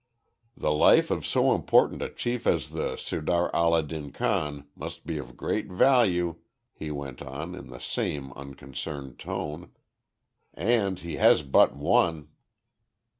"The life of so important a chief as the Sirdar Allah din Khan must be of great value," he went on in the same unconcerned tone. "And he has but one."